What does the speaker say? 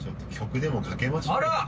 あら！